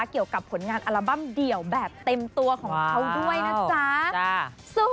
เกี่ยวกับผลงานอัลบั้มเดี่ยวแบบเต็มตัวของเขาด้วยนะจ๊ะ